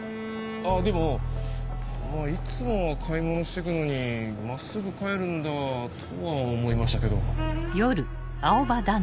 でもいつもは買い物してくのに真っすぐ帰るんだとは思いましたけど。